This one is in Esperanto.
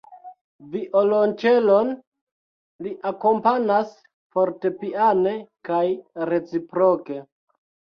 Violonĉelon; li akompanas fortepiane kaj reciproke.